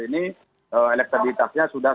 ini elektabilitasnya sudah